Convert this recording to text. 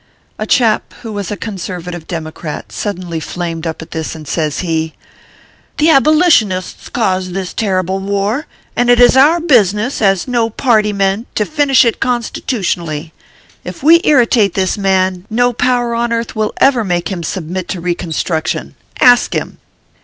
A chap who was a conservative democrat suddenly flamed up at this, and says he :" The abolitionists caused this terrible war, and it is our business, as no party men, to finish it Consti tutionally. If we irritate this man, no power on earth will ever make him submit to reconstruction. Ask him."